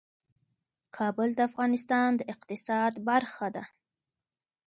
کابل د افغانستان د اقتصاد برخه ده.